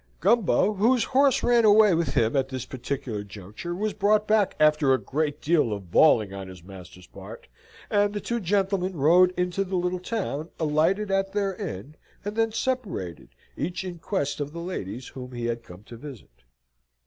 Gumbo, whose horse ran away with him at this particular juncture, was brought back after a great deal of bawling on his master's part, and the two gentlemen rode into the little town, alighted at their inn, and then separated, each in quest of the ladies whom he had come to visit.